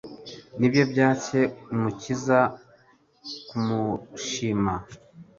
ni byo byatcye Umukiza kumushima.